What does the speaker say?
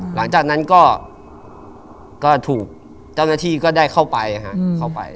หลังจากนั้นก็ถูกเจ้าหน้าที่ก็ได้เข้าไปเข้าไป